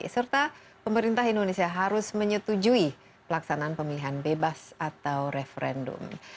serta pemerintah indonesia harus menyetujui pelaksanaan pemilihan bebas atau referendum